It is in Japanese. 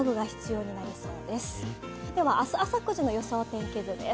明日朝９時の予想天気図です。